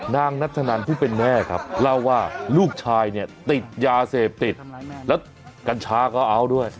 นางนัทธนันผู้เป็นแม่ครับเล่าว่าลูกชายเนี่ยติดยาเสพติดแล้วกัญชาก็เอาด้วย